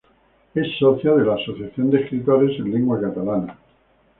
Es socia de la Asociación de Escritores en Lengua Catalana.